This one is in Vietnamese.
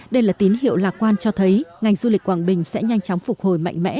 đây là tín hiệu lạc quan cho thấy ngành du lịch quảng bình sẽ nhanh chóng phục hồi mạnh mẽ